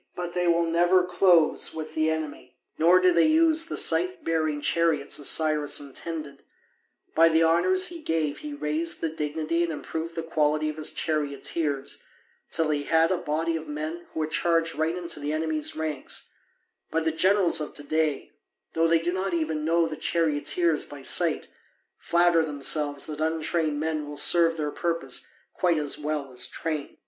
But they will never close with the enemy. Nor do they use the scythe bearing chariots as Cyrus intended. By the honours he gave he raised the dignity and improved the quality of his charioteers till he had a body of men who would charge right into the enemy's ranks; but the generals of to day, though they do not even know the charioteers by sight, flatter themselves that untrained men will serve their purpose quite as well as trained.